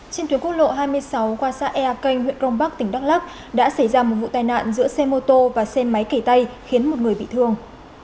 trên tuyến quốc lộ hai mươi sáu qua xã ea canh huyện crong bắc tỉnh đắk lắc đã xảy ra một vụ tai nạn giữa xe mô tô và xe máy kể tay khiến một người bị thương